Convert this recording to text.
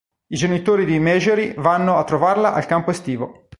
I genitori di Marjorie vanno a trovarla al campo estivo.